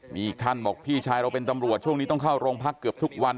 มีอีกท่านบอกพี่ชายเราเป็นตำรวจช่วงนี้ต้องเข้าโรงพักเกือบทุกวัน